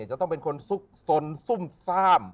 จะต้องเป็นคนซุกสนซุ่มซ่าม